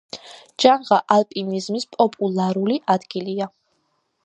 ჯანღა ალპინიზმის პოპულარული ადგილია.